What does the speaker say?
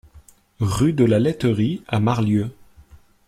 Rue de la Laiterie à Marlieux